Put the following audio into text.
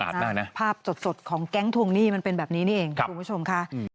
แล้วเงินการโอนก็ต่างหากก็คือยอด๑๑๐๐๐ก็ไม่ลดเลย